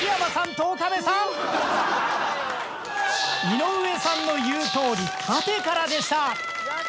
井上さんの言うとおり縦からでした。